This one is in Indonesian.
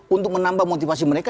untuk menambah motivasi mereka